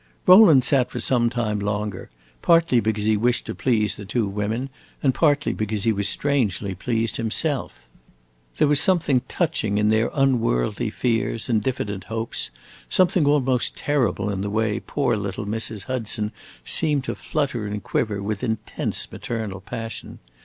Rowland sat for some time longer, partly because he wished to please the two women and partly because he was strangely pleased himself. There was something touching in their unworldly fears and diffident hopes, something almost terrible in the way poor little Mrs. Hudson seemed to flutter and quiver with intense maternal passion.